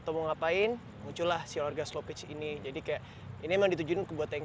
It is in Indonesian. tahu ngapain muncul lah si olahraga slow pitch ini jadi kayak ini emang ditujuin ke buat yang